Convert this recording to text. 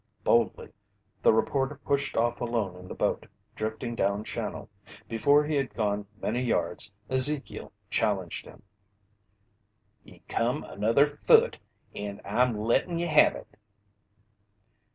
Boldly the reporter pushed off alone in the boat, drifting down channel. Before he had gone many yards, Ezekiel challenged him. "Ye come another foot, and I'm lettin' ye have it!"